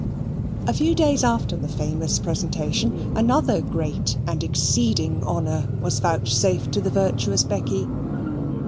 A few days after the famous presentation, another great and exceeding honour was vouchsafed to the virtuous Becky.